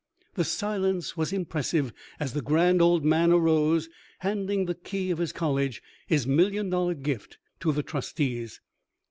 The silence was impressive as the grand old man arose, handing the key of his college, his million dollar gift, to the trustees.